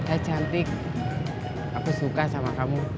saya cantik aku suka sama kamu